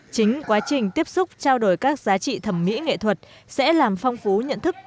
chính quá trình tiếp xúc trao đổi các giá trị thẩm mỹ nghệ thuật sẽ làm phong phú nhận thức